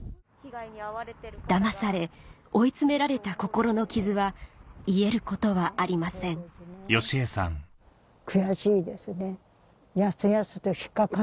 だまされ追い詰められた心の傷は癒えることはありませんもんですからね。